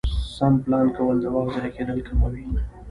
سم پلان کول د وخت ضایع کېدل کموي